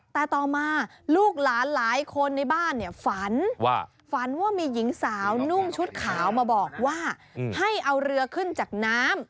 แต่ต่อมาลูกหลานหลายคนในบ้านเนี่ยฝันว่าฝันว่ามีหญิงสาวนุ่งชุดขาวมาบอกว่าให้เอาเรือขึ้นจากน้ำ